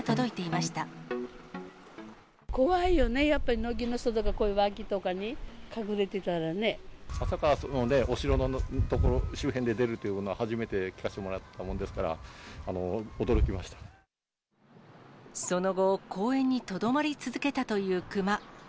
まさか、そのね、お城の所、周辺で出るっていうのは初めて聞かせてもらったもんですから、その後、公園にとどまり続けたという熊。